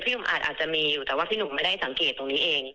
อาจจะมีอยู่แต่ว่าพี่หนุ่มไม่ได้สังเกตตรงนี้เอง